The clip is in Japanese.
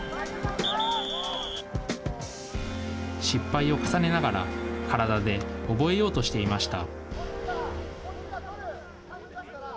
失敗を重ねながら、体で覚えようとしていました。